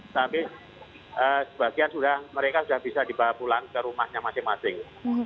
tapi sebagian mereka sudah bisa dibawa pulang ke rumahnya masing masing